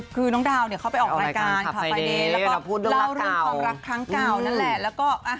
คือน้องดาวเข้าไปออกรายการฟายเดยแล้วเรื่องความรักทั้งเก่า